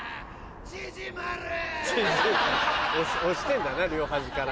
押してんだな両はじから。